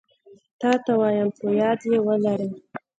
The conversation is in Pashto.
تاته وايم په ياد يي ولره